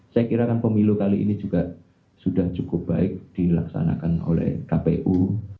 saya kira kan pemilu kali ini juga sudah cukup baik dilaksanakan oleh kpu